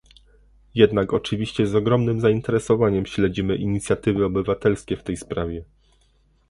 Jednak oczywiście z ogromnym zainteresowaniem śledzimy inicjatywy obywatelskie w tej sprawie